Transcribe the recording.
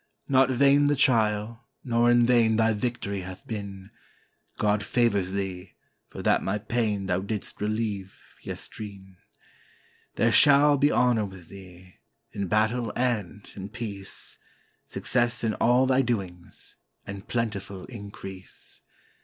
"Not vain the trial, nor in vain thy victory hath been; God favors thee, for that my pain thou didst relieve yestreen. There shall be honor with thee, in battle and in peace. Success in all thy doings, and plentiful increase.